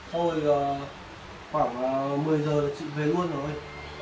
thôi khoảng một mươi giờ chị về luôn rồi